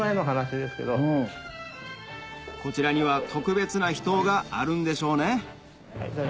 こちらには特別な秘湯があるんでしょうね